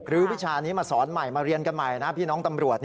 วิชานี้มาสอนใหม่มาเรียนกันใหม่นะพี่น้องตำรวจ